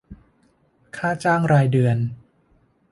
ค่าจ้างรายเดือน